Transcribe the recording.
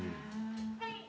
はい。